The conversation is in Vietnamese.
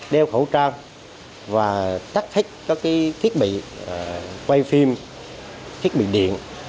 đeo khẩu trang và cắt thích các thiết bị quay phim thiết bị điện